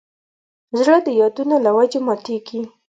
زړه د یادونو له وجې ماتېږي.